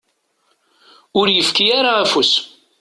Ur yefki ara afus.